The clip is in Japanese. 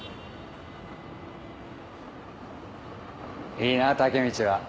いいなタケミチは。